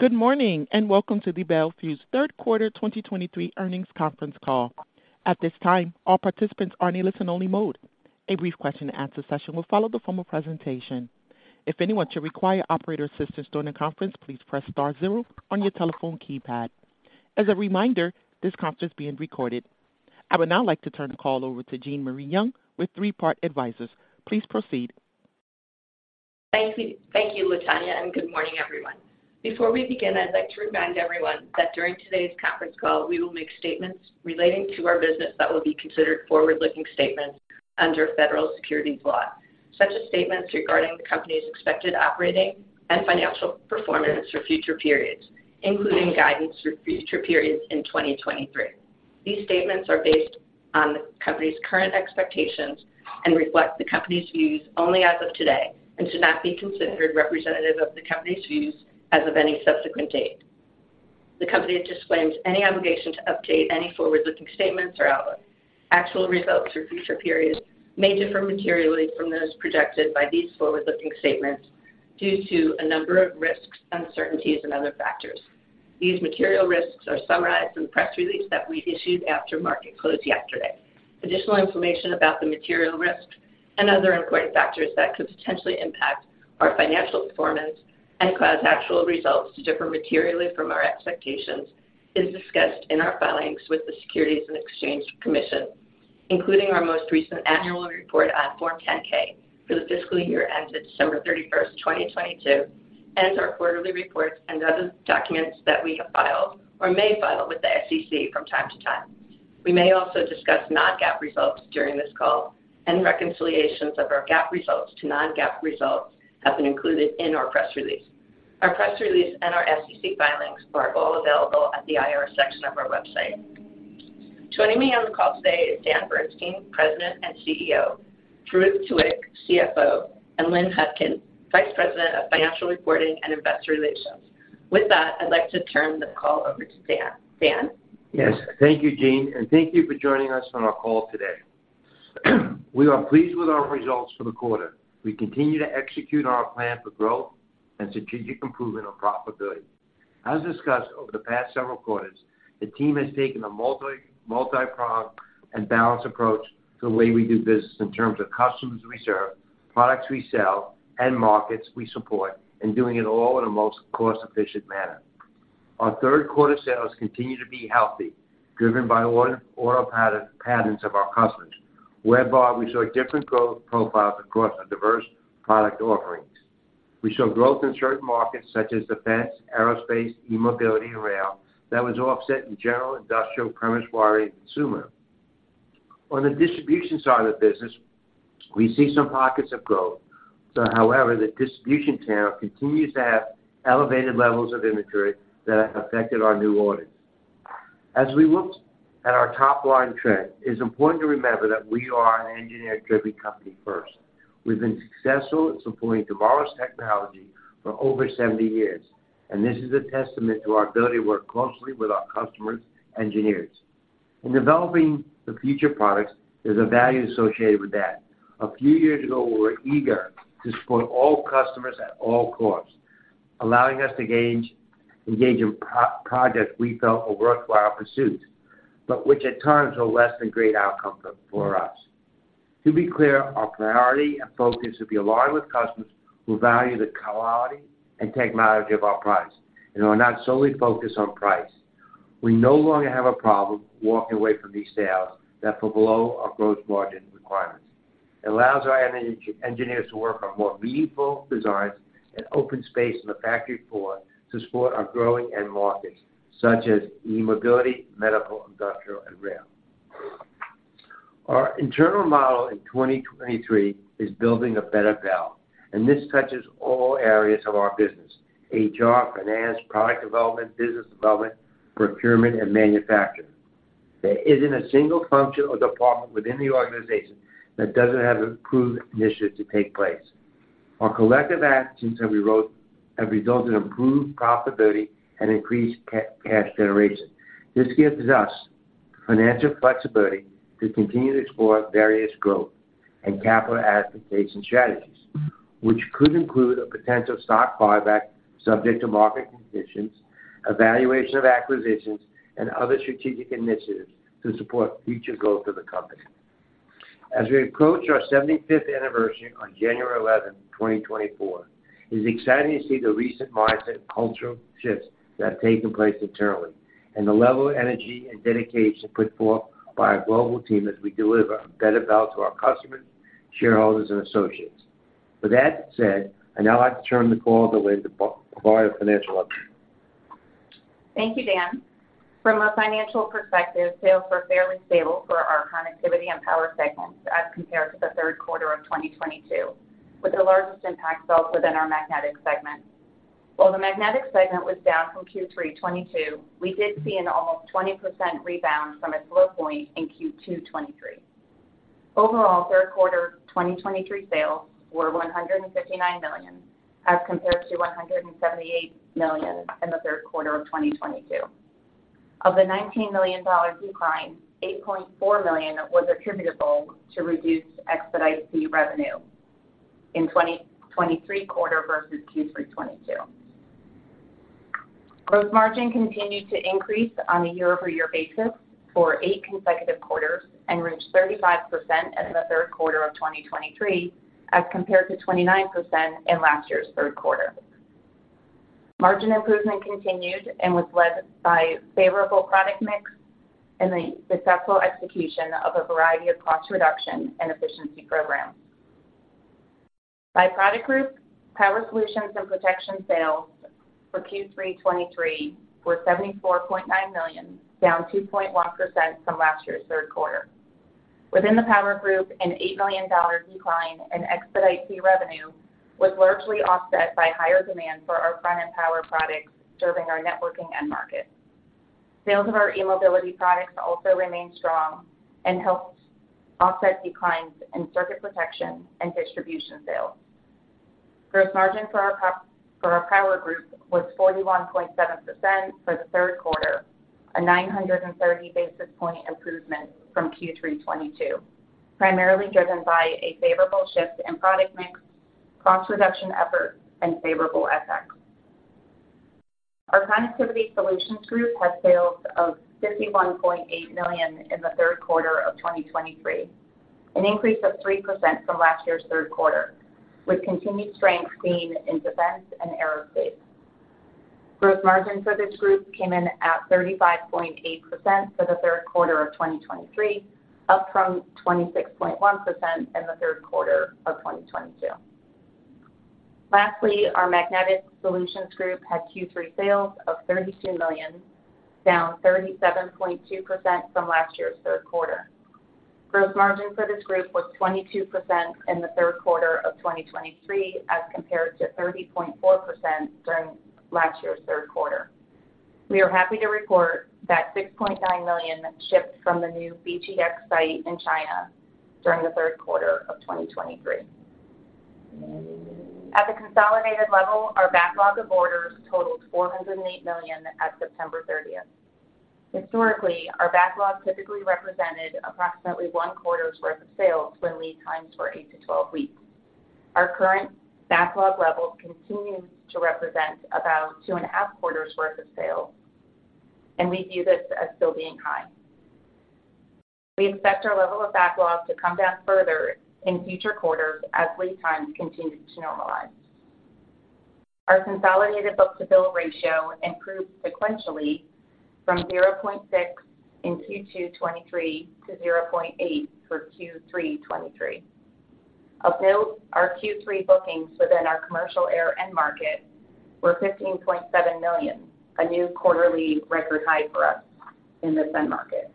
Good morning, and welcome to the Bel Fuse third quarter 2023 earnings conference call. At this time, all participants are in a listen-only mode. A brief question-and-answer session will follow the formal presentation. If anyone should require operator assistance during the conference, please press star zero on your telephone keypad. As a reminder, this conference is being recorded. I would now like to turn the call over to Jean Marie Young with Three Part Advisors. Please proceed. Thank you, thank you, Latonya, and good morning, everyone. Before we begin, I'd like to remind everyone that during today's conference call, we will make statements relating to our business that will be considered forward-looking statements under federal securities law. Such as statements regarding the company's expected operating and financial performance for future periods, including guidance for future periods in 2023. These statements are based on the company's current expectations and reflect the company's views only as of today, and should not be considered representative of the company's views as of any subsequent date. The company disclaims any obligation to update any forward-looking statements or outlook. Actual results for future periods may differ materially from those projected by these forward-looking statements due to a number of risks, uncertainties, and other factors. These material risks are summarized in the press release that we issued after market close yesterday. Additional information about the material risks and other important factors that could potentially impact our financial performance and cause actual results to differ materially from our expectations is discussed in our filings with the Securities and Exchange Commission, including our most recent annual report on Form 10-K for the fiscal year ended December 31st, 2022, and our quarterly reports and other documents that we have filed or may file with the SEC from time to time. We may also discuss non-GAAP results during this call, and reconciliations of our GAAP results to non-GAAP results have been included in our press release. Our press release and our SEC filings are all available at the IR section of our website. Joining me on the call today is Dan Bernstein, President and CEO; Farouq Tuweiq, CFO; and Lynn Hutkin, Vice President of Financial Reporting and Investor Relations. With that, I'd like to turn the call over to Dan. Dan? Yes. Thank you, Jean, and thank you for joining us on our call today. We are pleased with our results for the quarter. We continue to execute our plan for growth and strategic improvement on profitability. As discussed over the past several quarters, the team has taken a multipronged and balanced approach to the way we do business in terms of customers we serve, products we sell, and markets we support, and doing it all in a most cost-efficient manner. Our third quarter sales continue to be healthy, driven by order patterns of our customers, whereby we saw different growth profiles across our diverse product offerings. We saw growth in certain markets such as defense, aerospace, eMobility, and rail that was offset in general industrial, premise wiring, and consumer. On the distribution side of the business, we see some pockets of growth. So however, the distribution channel continues to have elevated levels of inventory that have affected our new orders. As we look at our top-line trend, it's important to remember that we are an engineer-driven company first. We've been successful at supporting tomorrow's technology for over 70 years, and this is a testament to our ability to work closely with our customers' engineers. In developing the future products, there's a value associated with that. A few years ago, we were eager to support all customers at all costs, allowing us to engage in projects we felt were worthwhile pursuits, but which at times were less than great outcome for us. To be clear, our priority and focus will be aligned with customers who value the quality and technology of our products, and are not solely focused on price. We no longer have a problem walking away from these sales that fall below our gross margin requirements. It allows our engineers to work on more meaningful designs and open space in the factory floor to support our growing end markets, such as eMobility, medical, industrial, and rail. Our internal model in 2023 is building a better Bel, and this touches all areas of our business, HR, finance, product development, business development, procurement, and manufacturing. There isn't a single function or department within the organization that doesn't have an approved initiative to take place. Our collective actions have resulted in improved profitability and increased cash generation. This gives us financial flexibility to continue to explore various growth and capital allocation strategies, which could include a potential stock buyback, subject to market conditions, evaluation of acquisitions, and other strategic initiatives to support future growth of the company. As we approach our 75th anniversary on January 11, 2024, it's exciting to see the recent mindset and cultural shifts that have taken place internally, and the level of energy and dedication put forth by our global team as we deliver better value to our customers, shareholders, and associates. With that said, I'd now like to turn the call over to Lynn, for our financial update. Thank you, Dan. From a financial perspective, sales were fairly stable for our connectivity and power segments as compared to the third quarter of 2022, with the largest impact felt within our magnetic segment. While the magnetic segment was down from Q3 2022, we did see an almost 20% rebound from its low point in Q2 2023. Overall, third quarter 2023 sales were $159 million, as compared to $178 million in the third quarter of 2022. Of the $19 million decline, $8.4 million was attributable to reduced expedite fee revenue in 2023 quarter versus Q3 2022. Gross margin continued to increase on a year-over-year basis for eight consecutive quarters and reached 35% in the third quarter of 2023, as compared to 29% in last year's third quarter. Margin improvement continued and was led by favorable product mix and the successful execution of a variety of cost reduction and efficiency programs. By product group, Power Solutions and Protection sales for Q3 2023 were $74.9 million, down 2.1% from last year's third quarter. Within the Power group, an $8 million decline in expedite fee revenue was largely offset by higher demand for our front-end power products serving our networking end market. Sales of our eMobility products also remained strong and helped offset declines in circuit protection and distribution sales. Gross margin for our Power group was 41.7% for the third quarter, a 930 basis point improvement from Q3 2022, primarily driven by a favorable shift in product mix, cost reduction efforts, and favorable FX. Our Connectivity Solutions group had sales of $51.8 million in the third quarter of 2023, an increase of 3% from last year's third quarter, with continued strength seen in defense and aerospace. Gross margin for this group came in at 35.8% for the third quarter of 2023, up from 26.1% in the third quarter of 2022. Lastly, our Magnetic Solutions group had Q3 sales of $32 million, down 37.2% from last year's third quarter. Gross margin for this group was 22% in the third quarter of 2023, as compared to 30.4% during last year's third quarter. We are happy to report that $6.9 million shipped from the new BTI site in China during the third quarter of 2023. At the consolidated level, our backlog of orders totaled $408 million at September 30th. Historically, our backlog typically represented approximately one quarter's worth of sales when lead times were eight-12 weeks. Our current backlog level continues to represent about 2.5 quarters worth of sales, and we view this as still being high. We expect our level of backlog to come down further in future quarters as lead times continue to normalize. Our consolidated book-to-bill ratio improved sequentially from 0.6 in Q2 2023 to 0.8 for Q3 2023. Of note, our Q3 bookings within our commercial air end market were $15.7 million, a new quarterly record high for us in this end market.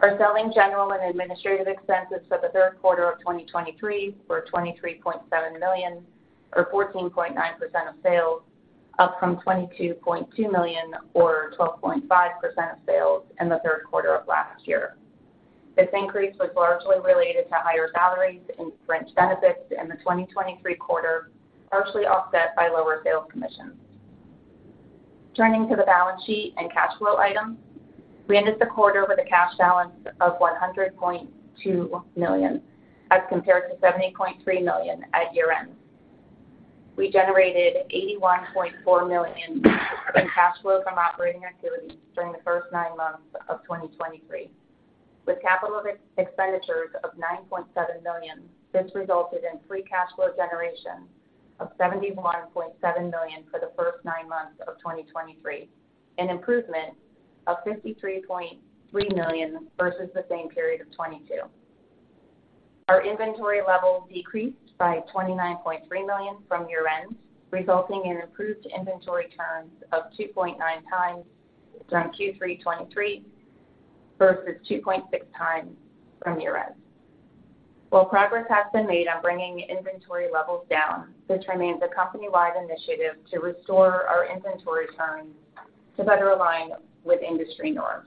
Our selling, general and administrative expenses for the third quarter of 2023 were $23.7 million, or 14.9% of sales, up from $22.2 million, or 12.5% of sales, in the third quarter of last year. This increase was largely related to higher salaries and fringe benefits in the 2023 quarter, partially offset by lower sales commissions. Turning to the balance sheet and cash flow items. We ended the quarter with a cash balance of $100.2 million, as compared to $70.3 million at year-end. We generated $81.4 million in cash flow from operating activities during the first nine months of 2023. With capital expenditures of $9.7 million, this resulted in free cash flow generation of $71.7 million for the first nine months of 2023, an improvement of $53.3 million versus the same period of 2022. Our inventory level decreased by $29.3 million from year-end, resulting in improved inventory turns of 2.9 times during Q3 2023 versus 2.6 times from year-end. While progress has been made on bringing inventory levels down, this remains a company-wide initiative to restore our inventory turns to better align with industry norms.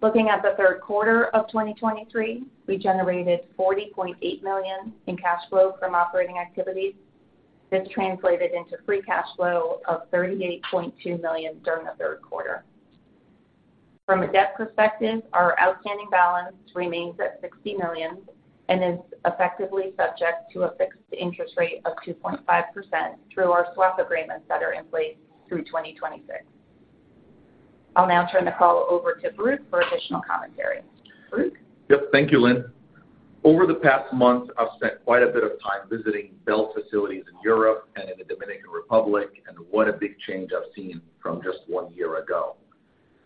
Looking at the third quarter of 2023, we generated $40.8 million in cash flow from operating activities. This translated into free cash flow of $38.2 million during the third quarter. From a debt perspective, our outstanding balance remains at $60 million and is effectively subject to a fixed interest rate of 2.5% through our swap agreements that are in place through 2026. I'll now turn the call over to Farouq for additional commentary. Farouq? Yep. Thank you, Lynn. Over the past month, I've spent quite a bit of time visiting Bel facilities in Europe and in the Dominican Republic, and what a big change I've seen from just one year ago.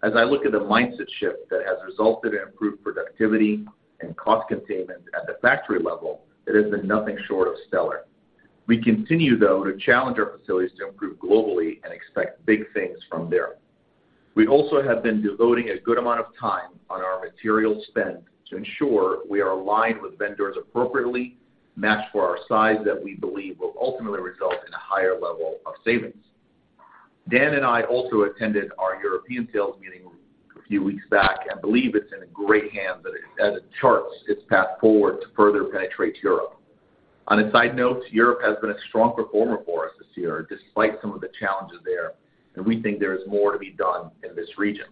As I look at the mindset shift that has resulted in improved productivity and cost containment at the factory level, it has been nothing short of stellar. We continue, though, to challenge our facilities to improve globally and expect big things from there. We also have been devoting a good amount of time on our material spend to ensure we are aligned with vendors appropriately, matched for our size that we believe will ultimately result in a higher level of savings. Dan and I also attended our European sales meeting a few weeks back, and believe it's in great hands as it charts its path forward to further penetrate Europe. On a side note, Europe has been a strong performer for us this year, despite some of the challenges there, and we think there is more to be done in this region.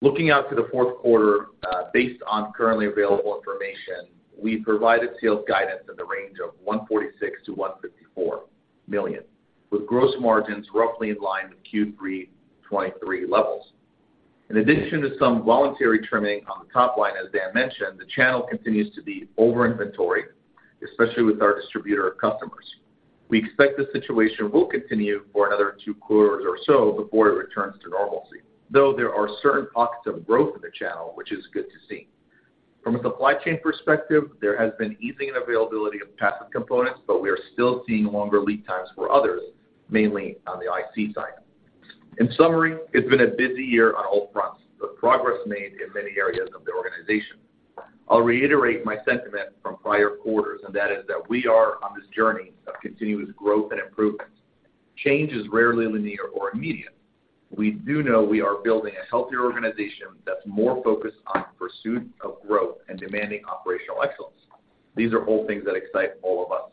Looking out to the fourth quarter, based on currently available information, we provided sales guidance in the range of $146 million-$154 million, with gross margins roughly in line with Q3 2023 levels. In addition to some voluntary trimming on the top line, as Dan mentioned, the channel continues to be over-inventoried, especially with our distributor customers. We expect the situation will continue for another two quarters or so before it returns to normalcy, though there are certain pockets of growth in the channel, which is good to see. From a supply chain perspective, there has been easing and availability of passive components, but we are still seeing longer lead times for others, mainly on the IC side. In summary, it's been a busy year on all fronts, with progress made in many areas of the organization. I'll reiterate my sentiment from prior quarters, and that is that we are on this journey of continuous growth and improvement. Change is rarely linear or immediate. We do know we are building a healthier organization that's more focused on the pursuit of growth and demanding operational excellence. These are all things that excite all of us.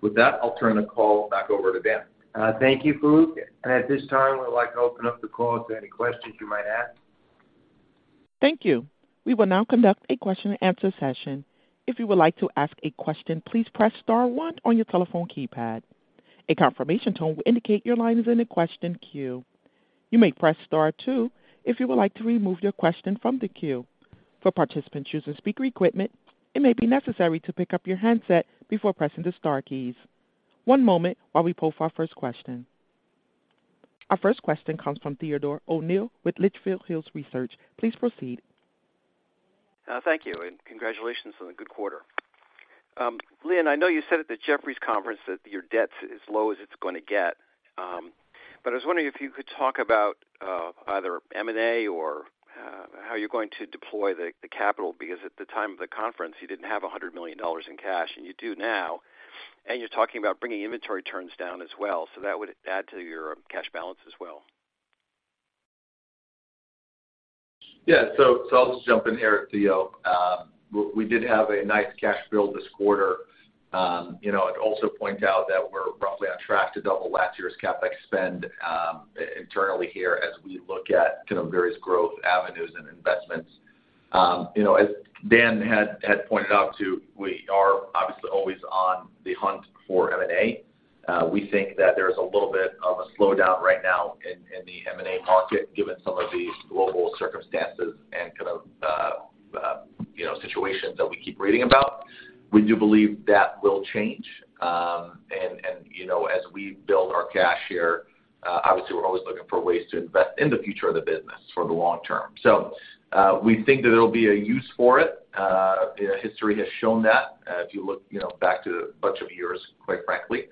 With that, I'll turn the call back over to Dan. Thank you, Farouq. At this time, we'd like to open up the call to any questions you might ask. Thank you. We will now conduct a question-and-answer session. If you would like to ask a question, please press star one on your telephone keypad. A confirmation tone will indicate your line is in the question queue. You may press star two if you would like to remove your question from the queue. For participants using speaker equipment, it may be necessary to pick up your handset before pressing the star keys. One moment while we poll for our first question. Our first question comes from Theodore O'Neill with Litchfield Hills Research. Please proceed. Thank you, and congratulations on the good quarter. Lynn, I know you said at the Jefferies conference that your debt's as low as it's going to get, but I was wondering if you could talk about either M&A or how you're going to deploy the capital, because at the time of the conference, you didn't have $100 million in cash, and you do now. And you're talking about bringing inventory turns down as well, so that would add to your cash balance as well. Yeah. So, I'll just jump in here, Theo. We did have a nice cash build this quarter. You know, I'd also point out that we're roughly on track to double last year's CapEx spend, internally here, as we look at kind of various growth avenues and investments. You know, as Dan had pointed out, too, we are obviously always on the hunt for M&A. We think that there's a little bit of a slowdown right now in the M&A market, given some of the global circumstances and kind of you know situations that we keep reading about. We do believe that will change. And, you know, as we build our cash here, obviously we're always looking for ways to invest in the future of the business for the long term. So, we think that there'll be a use for it. You know, history has shown that, if you look, you know, back to a bunch of years, quite frankly.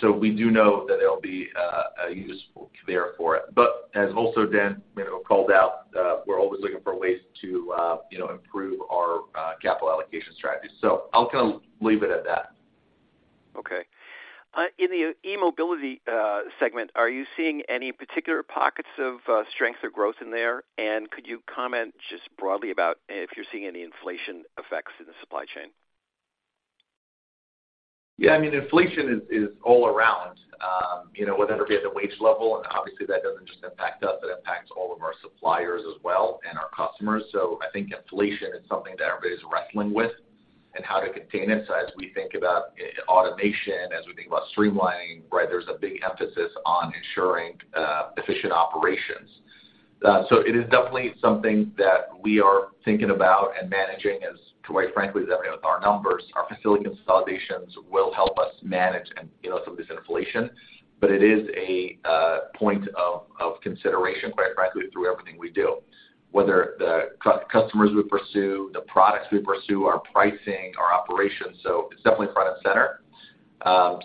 So we do know that there'll be a use there for it. But as also Dan, you know, called out, we're always looking for ways to, you know, improve our capital allocation strategy. So I'll kind of leave it at that. Okay. In the eMobility segment, are you seeing any particular pockets of strength or growth in there? And could you comment just broadly about if you're seeing any inflation effects in the supply chain? Yeah, I mean, inflation is all around, you know, whether it be at the wage level, and obviously, that doesn't just impact us, it impacts all of our suppliers as well and our customers. So I think inflation is something that everybody's wrestling with and how to contain it. So as we think about automation, as we think about streamlining, right, there's a big emphasis on ensuring efficient operations. So it is definitely something that we are thinking about and managing as, quite frankly, as I mean, with our numbers, our facility consolidations will help us manage and, you know, some of this inflation. But it is a point of consideration, quite frankly, through everything we do, whether the customers we pursue, the products we pursue, our pricing, our operations, so it's definitely front and center.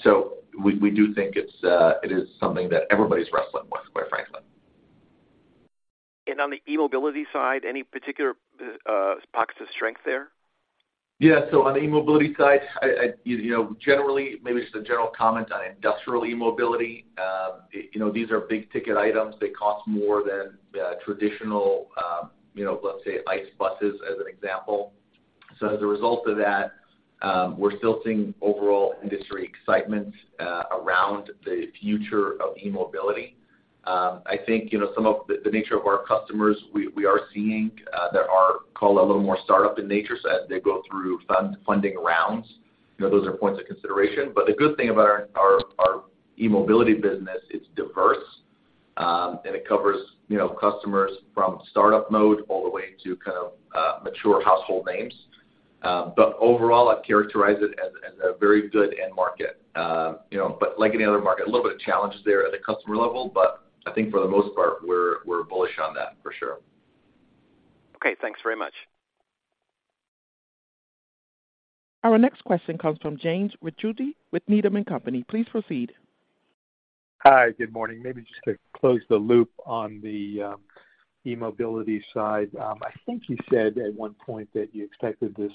So we do think it is something that everybody's wrestling with, quite frankly. On the eMobility side, any particular pockets of strength there? Yeah. So on the eMobility side, you know, generally, maybe just a general comment on industrial eMobility. You know, these are big-ticket items. They cost more than, traditional, you know, let's say, ICE buses, as an example. So as a result of that, we're still seeing overall industry excitement, around the future of eMobility. I think, you know, some of the nature of our customers, we are seeing, there are called a little more startup in nature as they go through funding rounds. You know, those are points of consideration. But the good thing about our eMobility business, it's diverse, and it covers, you know, customers from startup mode all the way to kind of, mature household names. But overall, I'd characterize it as a very good end market. You know, but like any other market, a little bit of challenges there at the customer level, but I think for the most part, we're bullish on that, for sure. Okay. Thanks very much. Our next question comes from James Ricchiuti with Needham & Company. Please proceed. Hi, good morning. Maybe just to close the loop on the eMobility side. I think you said at one point that you expected this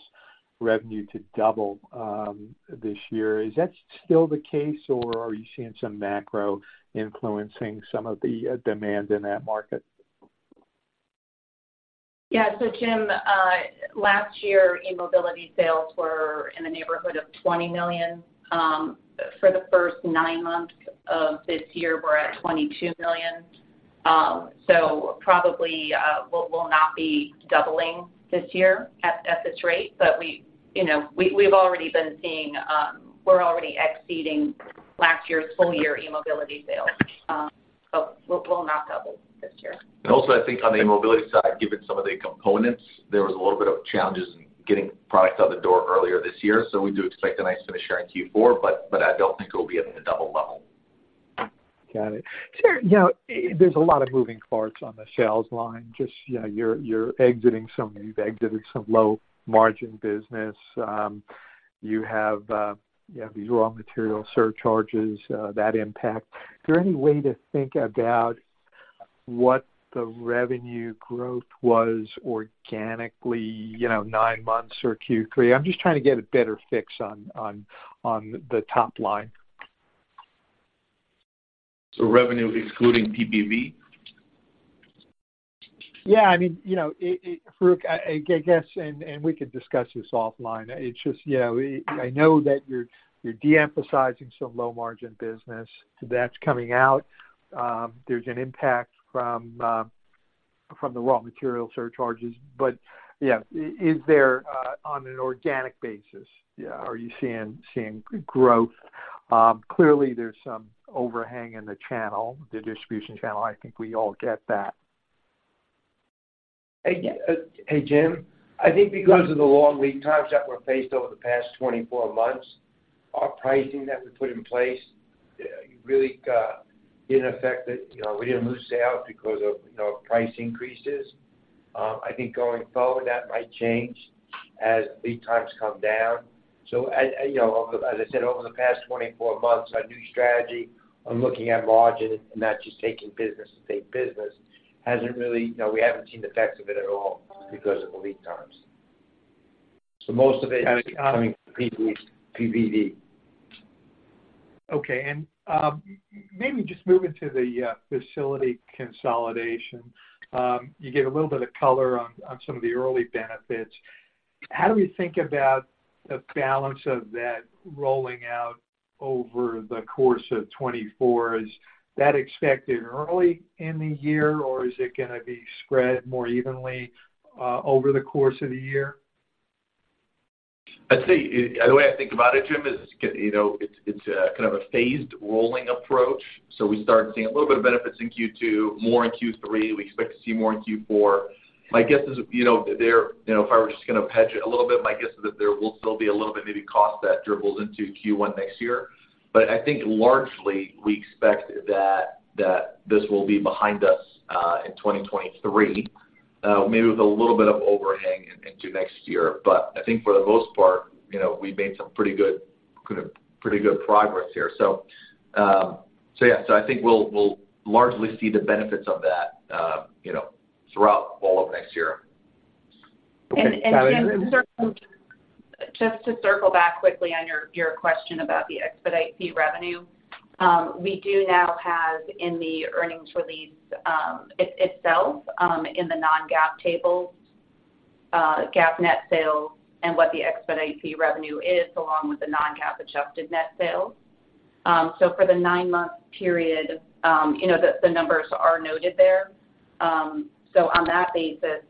revenue to double this year. Is that still the case, or are you seeing some macro influencing some of the demand in that market? Yeah. So Jim, last year, eMobility sales were in the neighborhood of $20 million. For the first nine months of this year, we're at $22 million. So probably, we'll, we'll not be doubling this year at this rate, but we, you know, we, we've already been seeing, we're already exceeding last year's full year eMobility sales. But we'll, we'll not double this year. Also, I think on the eMobility side, given some of the components, there was a little bit of challenges in getting product out the door earlier this year. So we do expect a nice finish here in Q4, but I don't think it will be at the double level. Got it. Sure, you know, there's a lot of moving parts on the sales line. Just, yeah, you're exiting some—you've exited some low-margin business. You have these raw material surcharges that impact. Is there any way to think about what the revenue growth was organically, you know, nine months or Q3? I'm just trying to get a better fix on the top line. Revenue excluding PPV? Yeah, I mean, you know, Farouq, I guess we can discuss this offline. It's just, you know, I know that you're de-emphasizing some low margin business, so that's coming out. There's an impact from from the raw material surcharges. But, yeah, is there on an organic basis, yeah, are you seeing growth? Clearly, there's some overhang in the channel, the distribution channel. I think we all get that. Hey, hey, Jim. I think because of the long lead times that were faced over the past 24 months, our pricing that we put in place, really, didn't affect it. You know, we didn't lose out because of, you know, price increases. I think going forward, that might change as lead times come down. So, and, you know, as I said, over the past 24 months, our new strategy on looking at margin and not just taking business to take business, hasn't really, you know, we haven't seen the effects of it at all because of the lead times. So most of it is coming from PPV, PPV. Okay, and maybe just moving to the facility consolidation. You gave a little bit of color on some of the early benefits. How do we think about the balance of that rolling out over the course of 2024? Is that expected early in the year, or is it gonna be spread more evenly over the course of the year? I'd say, the way I think about it, Jim, is, you know, it's a kind of a phased rolling approach. So we start seeing a little bit of benefits in Q2, more in Q3. We expect to see more in Q4. My guess is, you know, if I were just gonna hedge it a little bit, my guess is that there will still be a little bit maybe cost that dribbles into Q1 next year. But I think largely, we expect that this will be behind us in 2023, maybe with a little bit of overhang into next year. But I think for the most part, you know, we've made some pretty good progress here. So, so yeah. So I think we'll largely see the benefits of that, you know, throughout all of next year. Okay. Just to circle back quickly on your question about the expedite fee revenue. We do now have in the earnings release, it itself, in the non-GAAP tables, GAAP net sales and what the expedite fee revenue is, along with the non-GAAP adjusted net sales. So for the nine-month period, you know, the numbers are noted there. So on that basis,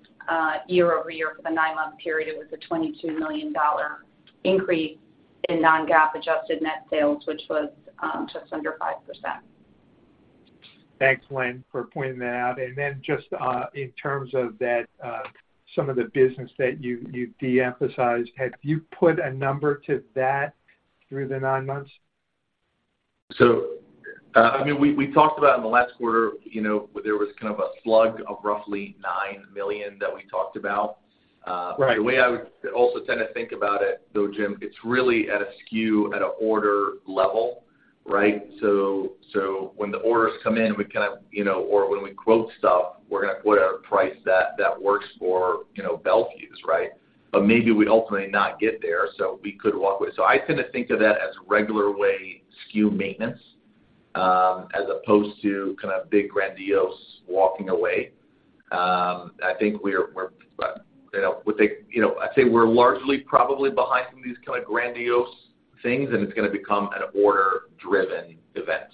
year-over-year for the nine-month period, it was a $22 million increase in non-GAAP adjusted net sales, which was just under 5%. Thanks, Lynn, for pointing that out. And then just, in terms of that, some of the business that you de-emphasized, have you put a number to that through the nine months? I mean, we talked about in the last quarter, you know, there was kind of a slug of roughly $9 million that we talked about. Right. The way I would also tend to think about it, though, Jim, it's really at a SKU, at a order level, right? So when the orders come in, we kind of, you know. Or when we quote stuff, we're gonna quote a price that works for, you know, Bel Fuse, right? But maybe we'd ultimately not get there, so we could walk away. So I tend to think of that as regular way SKU maintenance, as opposed to kind of big, grandiose walking away. I think we're, you know-- You know, I'd say we're largely probably behind some of these kind of grandiose things, and it's gonna become an order-driven event.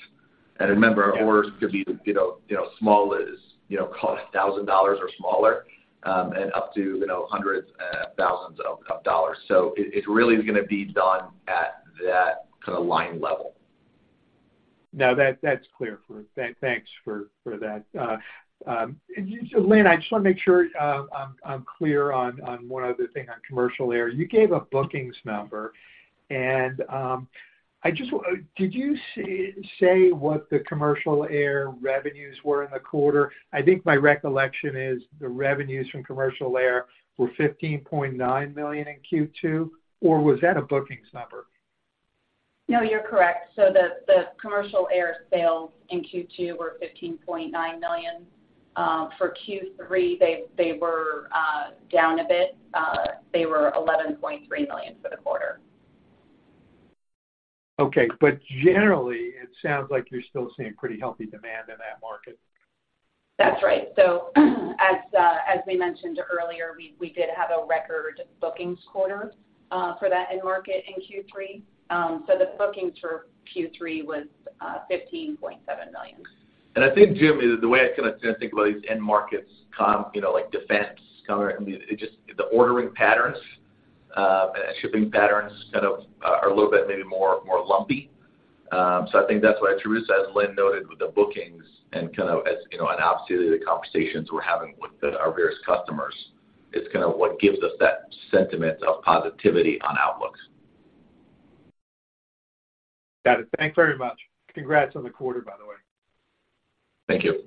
And remember- Sure. Orders could be, you know, you know, small as, you know, cost $1,000 or smaller, and up to, you know, hundreds and thousands of dollars. So it, it really is gonna be done at that kind of line level. No, that's clear. Thanks for that. Lynn, I just want to make sure I'm clear on one other thing on commercial air. You gave a bookings number, and I just want—Did you say what the commercial air revenues were in the quarter? I think my recollection is the revenues from commercial air were $15.9 million in Q2, or was that a bookings number? No, you're correct. So the commercial air sales in Q2 were $15.9 million. For Q3, they were down a bit. They were $11.3 million for the quarter. Okay, but generally, it sounds like you're still seeing pretty healthy demand in that market. That's right. So as we mentioned earlier, we did have a record bookings quarter for that end market in Q3. So the bookings for Q3 was $15.7 million. I think, Jim, the way I kind of think about these end markets, you know, like, defense, kind of, I mean, it just, the ordering patterns, and shipping patterns kind of, are a little bit maybe more, more lumpy. So I think that's why, true, as Lynn noted, with the bookings and kind of as, you know, on obviously, the conversations we're having with the, our various customers, it's kind of what gives us that sentiment of positivity on outlooks. Got it. Thanks very much. Congrats on the quarter, by the way. Thank you.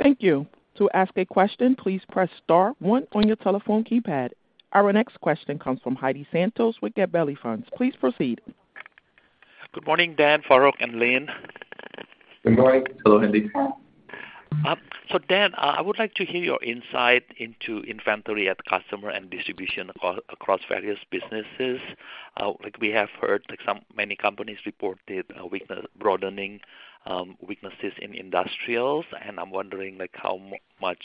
Thank you. To ask a question, please press star one on your telephone keypad. Our next question comes from Hendi Susanto with Gabelli Funds. Please proceed. Good morning, Dan, Farouq, and Lynn. Good morning. Hello, Hendi. So Dan, I would like to hear your insight into inventory at customer and distribution across various businesses. Like we have heard, like some, many companies reported a weakness, broadening weaknesses in industrials, and I'm wondering, like, how much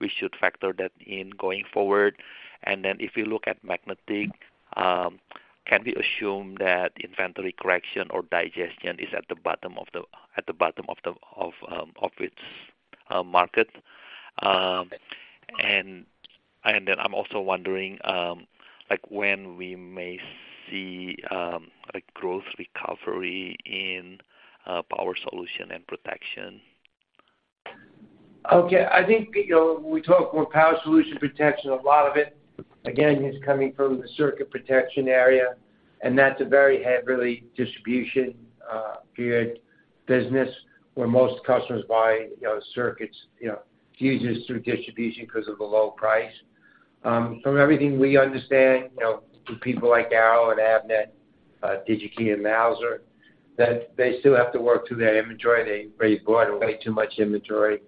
we should factor that in going forward. And then if you look at Magnetic, can we assume that inventory correction or digestion is at the bottom of its market? And then I'm also wondering, like, when we may see a growth recovery in Power Solutions and Protection? Okay. I think, you know, when we talk more Power Solutions and Protection, a lot of it, again, is coming from the circuit protection area, and that's a very heavily distribution period business, where most customers buy, you know, circuits, you know, fuses through distribution because of the low price. From everything we understand, you know, from people like Arrow, Avnet, Digi-Key, and Mouser, that they still have to work through their inventory. They, they bought way too much inventory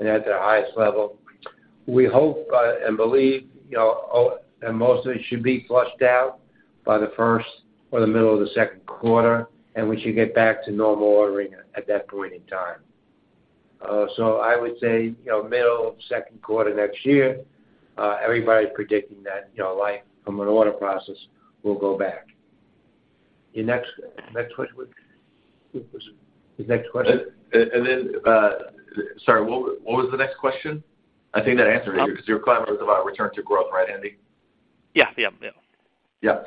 and at their highest level. We hope and believe, you know, all and most of it should be flushed out by the first or the middle of the second quarter, and we should get back to normal ordering at that point in time. So I would say, you know, middle of second quarter next year, everybody's predicting that, you know, lead time from an order process will go back. Your next question was? The next question. And then, sorry, what, what was the next question? I think that answered it, because you were curious about return to growth, right, Hendi? Yeah. Yeah, yeah. Yeah,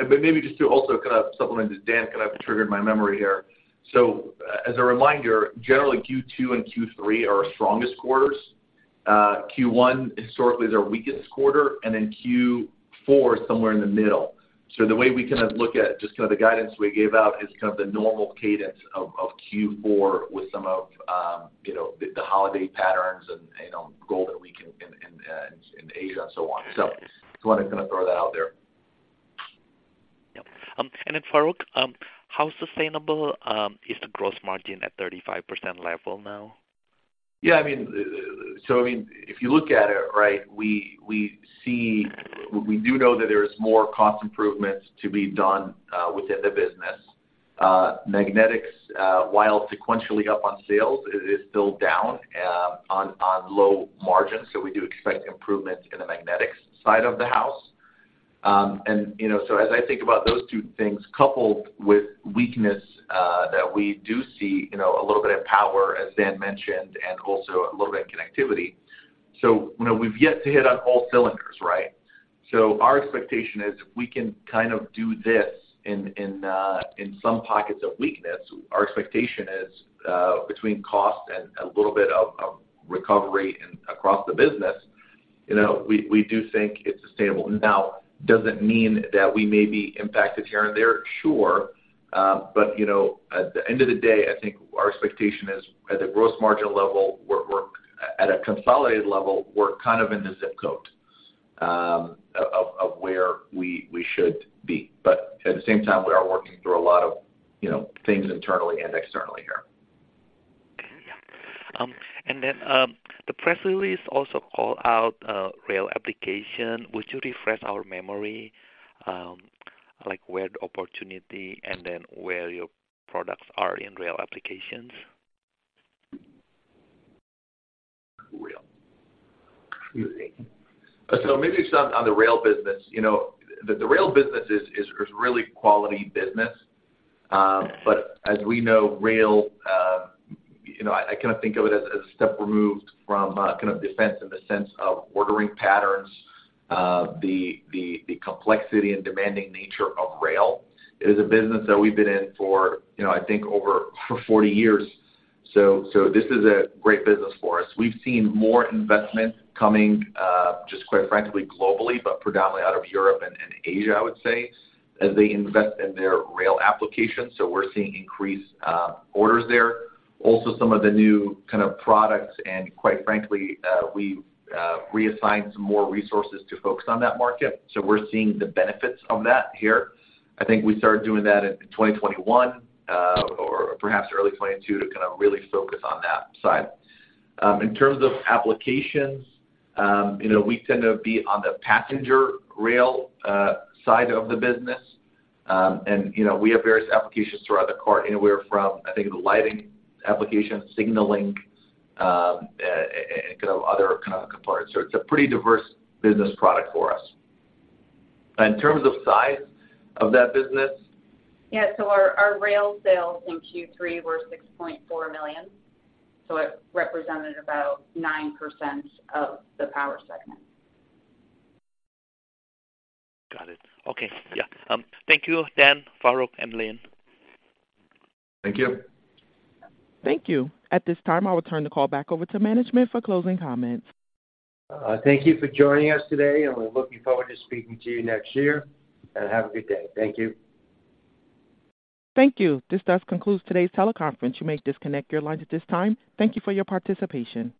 and maybe just to also kind of supplement, as Dan kind of triggered my memory here. So as a reminder, generally, Q2 and Q3 are our strongest quarters. Q1 historically is our weakest quarter, and then Q4 is somewhere in the middle. So the way we kind of look at just kind of the guidance we gave out is kind of the normal cadence of Q4 with some of, you know, the holiday patterns and, you know, Golden Week in Asia and so on. So just wanna kind of throw that out there. Yep. And then, Farouq, how sustainable is the gross margin at 35% level now? Yeah, I mean, so I mean, if you look at it, right, we, we see. We do know that there is more cost improvements to be done, within the business. Magnetics, while sequentially up on sales, it is still down, on low margins, so we do expect improvements in the Magnetics side of the house. And, you know, so as I think about those two things, coupled with weakness, that we do see, you know, a little bit of power, as Dan mentioned, and also a little bit in connectivity. So, you know, we've yet to hit on all cylinders, right? So our expectation is, if we can kind of do this in some pockets of weakness, our expectation is, between cost and a little bit of recovery in across the business, you know, we do think it's sustainable. Now, does it mean that we may be impacted here and there? Sure. But you know, at the end of the day, I think our expectation is, at the gross margin level, we're at a consolidated level, we're kind of in the zip code of where we should be. But at the same time, we are working through a lot of, you know, things internally and externally here. Yeah. And then, the press release also call out, rail application. Would you refresh our memory, like, where the opportunity and then where your products are in rail applications? Rail. Excuse me. So maybe some on the rail business. You know, the rail business is really quality business. But as we know, rail, you know, I kind of think of it as a step removed from kind of defense in the sense of ordering patterns, the complexity and demanding nature of rail. It is a business that we've been in for, you know, I think over 40 years, so this is a great business for us. We've seen more investment coming just quite frankly, globally, but predominantly out of Europe and Asia, I would say, as they invest in their rail applications. So we're seeing increased orders there. Also, some of the new kind of products, and quite frankly, we've reassigned some more resources to focus on that market, so we're seeing the benefits of that here. I think we started doing that in 2021, or perhaps early 2022, to kind of really focus on that side. In terms of applications, you know, we tend to be on the passenger rail side of the business. And, you know, we have various applications throughout the car, anywhere from, I think, the lighting application, signaling, and kind of other kind of components. So it's a pretty diverse business product for us. In terms of size of that business? Yeah, so our rail sales in Q3 were $6.4 million, so it represented about 9% of the power segment. Got it. Okay. Yeah. Thank you, Dan, Farouq, and Lynn. Thank you. Thank you. At this time, I will turn the call back over to management for closing comments. Thank you for joining us today, and we're looking forward to speaking to you next year. Have a good day. Thank you. Thank you. This does conclude today's teleconference. You may disconnect your lines at this time. Thank you for your participation.